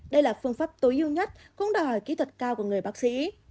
đây là phương pháp tối ưu nhất cũng đòi hỏi kỹ thuật cao của người bác sĩ